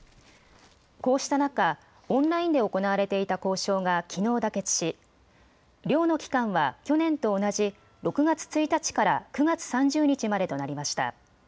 こうした中、オンラインで行われていた交渉がきのう妥結し漁の期間は去年と同じ６月１日から９月３０日までとなりました。